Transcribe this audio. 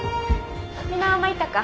皆参ったか？